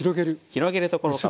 広げるところからです。